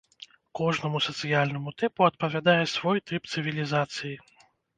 Кожнаму сацыяльнаму тыпу адпавядае свой тып цывілізацыі.